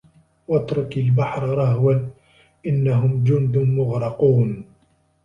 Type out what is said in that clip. وَاترُكِ البَحرَ رَهوًا إِنَّهُم جُندٌ مُغرَقونَ